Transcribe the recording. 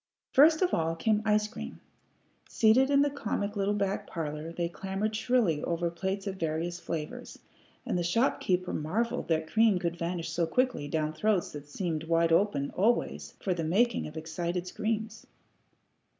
First of all came ice cream. Seated in the comic little back parlor, they clamored shrilly over plates of various flavors, and the shopkeeper marvelled that cream could vanish so quickly down throats that seemed wide open, always, for the making of excited screams.